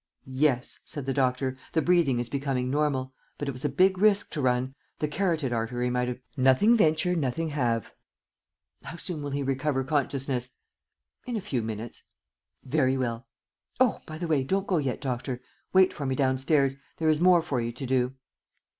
"Yes," said the doctor. "The breathing is becoming normal. But it was a big risk to run ... the carotid artery might have ..." "Nothing venture, nothing have. ... How soon will he recover consciousness?" "In a few minutes." "Very well. Oh, by the way, don't go yet, Doctor. Wait for me downstairs. There is more for you to do."